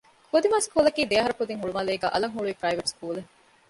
ކުދިމާ ސްކޫލަކީ ދެއަހަރު ކުދިން ހުޅުމާލޭގައި އަލަށް ހުޅުވި ޕްރައިވެޓް ސްކޫލެއް